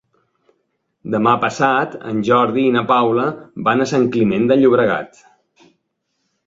Demà passat en Jordi i na Paula van a Sant Climent de Llobregat.